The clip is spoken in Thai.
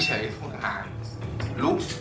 อันดับสุดท้ายแก่มือ